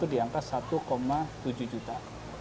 di angka satu tujuh juta